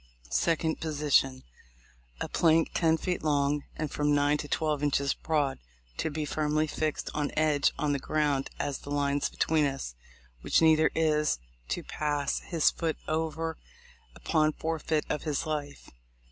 2d. Position:— A plank ten feet long, and from nine to twelve inches broad, to be firmly fixed on edge on the ground as the lines between us, which neither is to pass his foot over upon forfeit of his life.